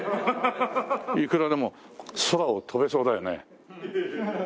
いくらでも空を飛べそうだよね。